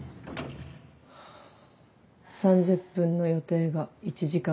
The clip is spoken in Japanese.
３０分の予定が１時間。